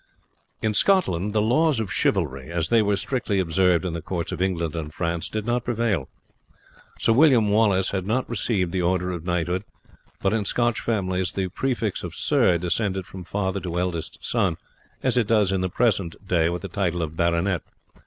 In Scotland the laws of chivalry, as they were strictly observed in the courts of England and France, did not prevail. Sir William Wallace had not received the order of knighthood; but in Scotch families the prefix of Sir descended from father to eldest son, as it does in the present day with the title of Baronet.